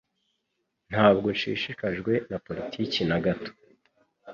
Ntabwo nshishikajwe na politiki na gato